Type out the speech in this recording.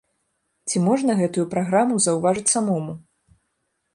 Ці можна гэтую праграму заўважыць самому?